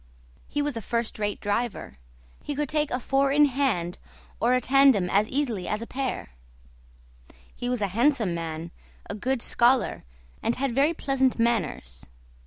He was a first rate driver; he could take a four in hand or a tandem as easily as a pair. He was a handsome man, a good scholar, and had very pleasant manners.